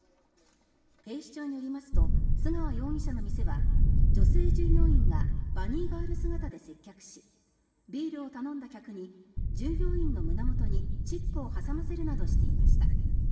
警視庁によりますと須川容疑者の店は女性従業員がバニーガール姿で接客しビールを頼んだ客に従業員の胸元にチップを挟ませるなどしていました。